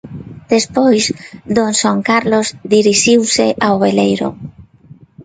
Despois, don Xoán Carlos dirixiuse ao veleiro.